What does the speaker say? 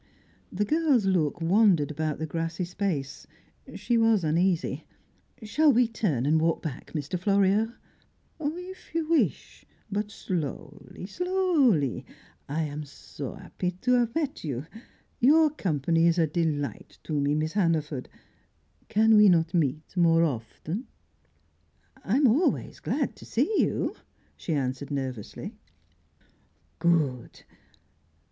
The girl's look wandered about the grassy space, she was uneasy. "Shall we turn and walk back, Mr. Florio?" "If you wish, but slowly, slowly. I am so happy to have met you. Your company is a delight to me, Miss Hannaford. Can we not meet more often?" "I am always glad to see you," she answered nervously. "Good!